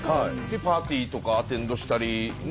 でパーティーとかアテンドしたり。